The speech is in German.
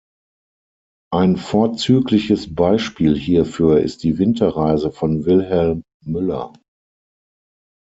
Ein vorzügliches Beispiel hierfür ist die Winterreise von Wilhelm Müller.